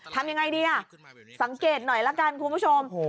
ทำยังไงดีอ่ะสังเกตหน่อยละกันคุณผู้ชม